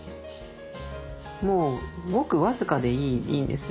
もうごく僅かでいいんですよ